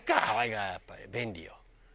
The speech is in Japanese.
ハワイがやっぱり便利よ。